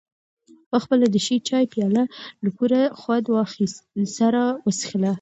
ما خپله د شین چای پیاله له پوره خوند سره وڅښله.